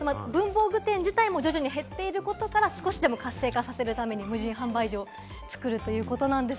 文房具店自体も徐々に減っていることから少しでも活性化させるために無人販売所を作るということです。